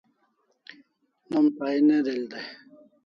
Nom sahi ne del dai